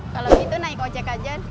kalau gitu naik oh jack aja